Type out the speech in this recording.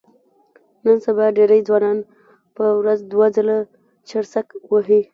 د نن سبا ډېری ځوانان په ورځ دوه ځله چرسک وهي.